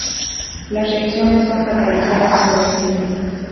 Las reacciones son catalizadas por enzimas.